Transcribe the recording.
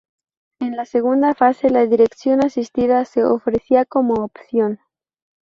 En la segunda fase la dirección asistida se ofrecía como opción.